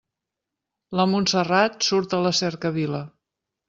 La Montserrat surt a la cercavila.